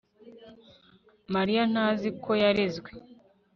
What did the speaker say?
Mariya ntazi ko yarezwe